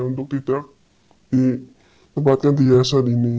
untuk tidak ditempatkan di kawasan ini